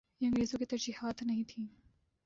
یہ انگریزوں کی ترجیحات نہیں تھیں۔